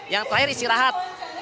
yang terakhir istirahat